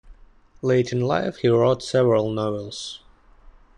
Late in life, he wrote several novels.